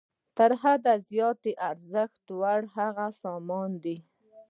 تر حد زیات د ارزښت وړ هغه سامان دی